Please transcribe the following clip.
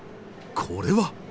これは。